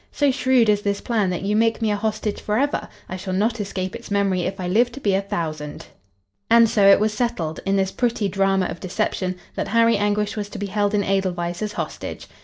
"So shrewd is this plan that you make me a hostage forever; I shall not escape its memory if I live to be a thousand." And so it was settled, in this pretty drama of deception, that Harry Anguish was to be held in Edelweiss as hostage.